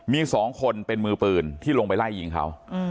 มี๒คนเป็นมือปืนที่ลงไปไล่ยิงเขา